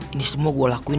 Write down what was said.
ini semua gue lakuin